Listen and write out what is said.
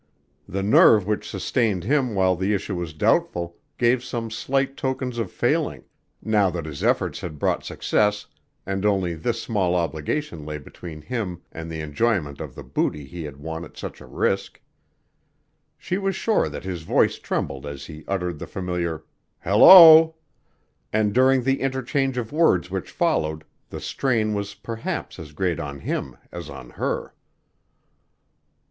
The nerve which sustained him while the issue was doubtful gave some slight tokens of failing, now that his efforts had brought success and only this small obligation lay between him and the enjoyment of the booty he had won at such a risk. She was sure that his voice trembled as he uttered the familiar. "Hello!" and during the interchange of words which followed, the strain was perhaps as great on him as on her.